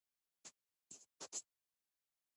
ایا مصنوعي ځیرکتیا د محلي ارزښتونو اغېز نه کموي؟